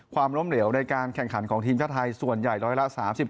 ความล้มเหลวในการแข่งขันของทีมชาติไทยส่วนใหญ่ร้อยละ๓๙